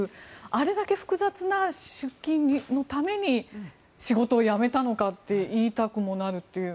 あれだけ複雑な出金のために仕事を辞めたのかって言いたくもなるという。